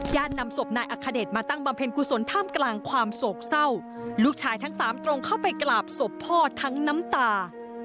นำศพนายอัคเดชมาตั้งบำเพ็ญกุศลท่ามกลางความโศกเศร้าลูกชายทั้งสามตรงเข้าไปกราบศพพ่อทั้งน้ำตา